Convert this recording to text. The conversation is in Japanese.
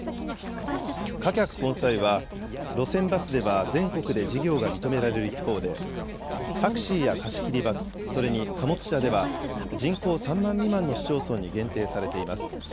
貨客混載は、路線バスでは、全国で事業が認められる一方で、タクシーや貸し切りバス、それに貨物車では、人口３万未満の市町村に限定されています。